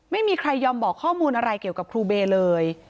ไม่มีใครยอมบอกข้อมูลอะไรเกี่ยวกับครูเบย์เลย